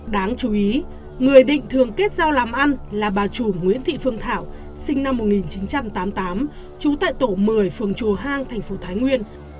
đáng chú ý người định thường kết giao làm ăn là bà chủ nguyễn thị phương thảo sinh năm một nghìn chín trăm tám mươi tám trú tại tổ một mươi phường chùa hang thành phố thái nguyên